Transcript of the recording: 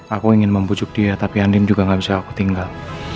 aku ingin membujuk dia tapi andin juga gak bisa aku tinggal